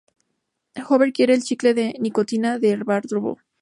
Hoover quiere el chicle de nicotina que Bart robó.